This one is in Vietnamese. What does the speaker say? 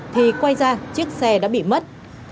thì quay ra chiếc xe đã bị mất